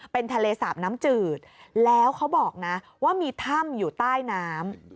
เป็นทะเลสาบน้ำจืดแล้วเขาบอกนะว่ามีถ้ำอยู่ใต้น้ำ